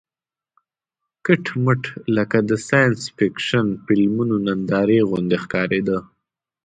کټ مټ لکه د ساینس فېکشن فلمونو نندارې غوندې ښکارېده.